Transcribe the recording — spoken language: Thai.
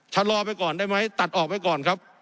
ชะลอไปก่อนได้ไหมตัดออกไปก่อนครับ